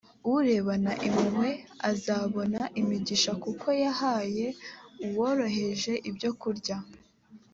urebana impuhwe azabona imigisha kuko yahaye uworoheje ibyo kurya